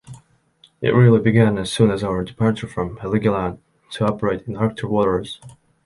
It really began as soon as our departure from Heligoland to operate in Arctic waters.